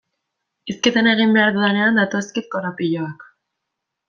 Hizketan egin behar dudanean datozkit korapiloak.